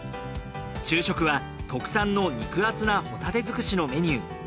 昼食は特産の肉厚なホタテ尽くしのメニュー。